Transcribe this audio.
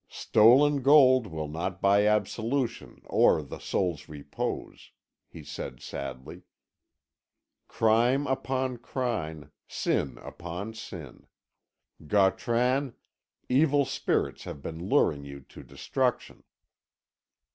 "Stolen gold will not buy absolution or the soul's repose," he said sadly. "Crime upon crime sin upon sin! Gautran, evil spirits have been luring you to destruction."